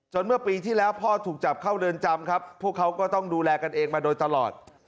เมื่อปีที่แล้วพ่อถูกจับเข้าเรือนจำครับพวกเขาก็ต้องดูแลกันเองมาโดยตลอด